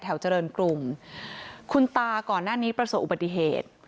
เจริญกรุงคุณตาก่อนหน้านี้ประสบอุบัติเหตุ